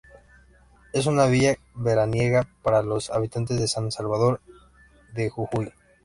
Es una villa veraniega para los habitantes de San Salvador de Jujuy.